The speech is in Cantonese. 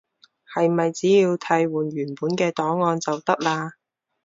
係咪只要替換原本嘅檔案就得喇？